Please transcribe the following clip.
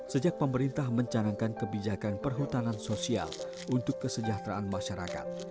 sejak pemerintah mencanangkan kebijakan perhutanan sosial untuk kesejahteraan masyarakat